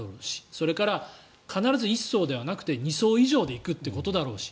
それから必ず１艘ではなくて２艘以上で行くということだろうし。